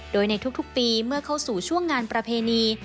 โดยในทุกปีเมื่อเข้าสู่ช่วงงานประเพณี